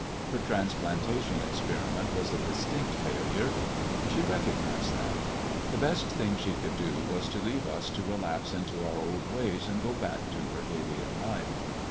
Her transplantation experiment was a distinct failure. She recognized that. The best thing she could do was to leave us to relapse into our old ways, and go back to her alien life.